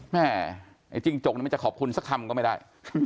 ไอ้จิ้งจกมันจะขอบคุณสักคำก็ไม่ได้